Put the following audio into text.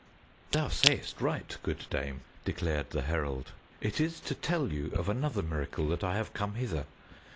"Thou sayest right, good dame!" declared the herald. "It is to tell you of another miracle that I have come hither.